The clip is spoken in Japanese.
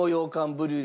ブリュレ